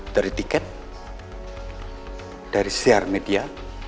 dari tiket dari share media